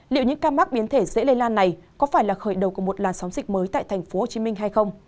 liệu những ca mắc biến thể dễ lây lan này có phải là khởi đầu của một làn sóng dịch mới tại tp hcm hay không